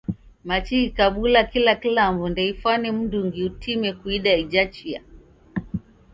Machi ghikabula kila kilambo ndeifwane mndungi utime kuida ija chia.